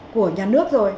của nhà nước rồi